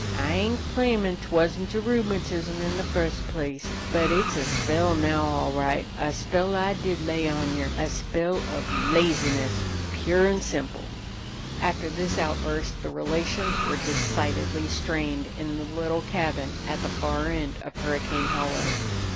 I ain't claimin' 't wasn't rheumatism in the fust place, but it's a spell now, all right a spell I did lay on yer, a spell of laziness pure an' simple!" After this outburst the relations were decidedly strained in the little cabin at the far end of Hurricane Hollow.